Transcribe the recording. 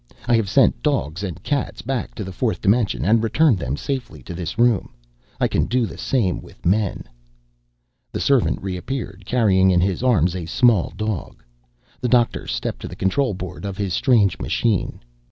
I have sent dogs and cats back to the fourth dimension and returned them safely to this room. I can do the same with men." The servant reappeared, carrying in his arms a small dog. The doctor stepped to the control board of his strange machine.